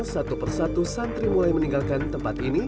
satu persatu santri mulai meninggalkan tempat ini